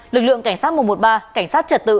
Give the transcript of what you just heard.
lực lượng cảnh sát một trăm một mươi ba cảnh sát trật tự